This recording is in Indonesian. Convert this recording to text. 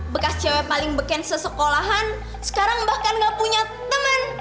bekas cewek paling beken sesekolahan sekarang bahkan gak punya teman